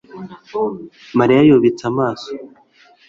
Mariya yubitse amaso